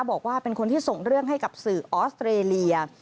บอกว่าเป็นคนที่ส่งเรื่องให้กับสื่อออสเตรเลีย